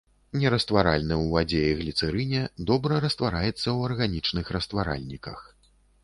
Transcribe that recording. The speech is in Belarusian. Нерастваральны ў вадзе і гліцэрыне, добра раствараецца ў арганічных растваральніках.